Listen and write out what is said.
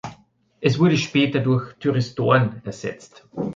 Es wurde später durch Thyristoren ersetzt.